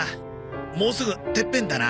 もうすぐてっぺんだな。